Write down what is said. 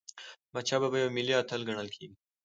احمدشاه بابا یو ملي اتل ګڼل کېږي.